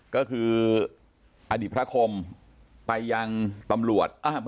ก็คืออดีตพระคมไปยังตำรวจ